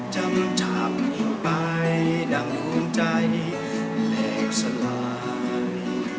จำจากลูกไปอย่างโยงใจแหลกสลาย